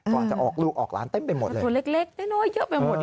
ความจะออกลูกออกร้านเต็มไปหมดเลย